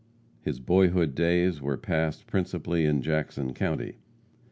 His boyhood days were passed principally in Jackson county.